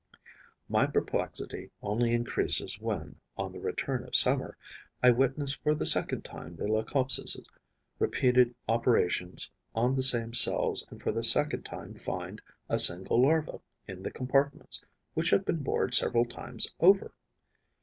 My perplexity only increases when, on the return of summer, I witness for the second time the Leucopsis' repeated operations on the same cells and for the second time find a single larva in the compartments which have been bored several times over.